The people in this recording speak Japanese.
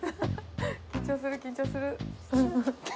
緊張する、緊張する。